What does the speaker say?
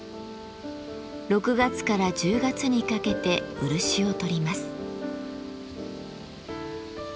６月から１０月にかけて漆をとります。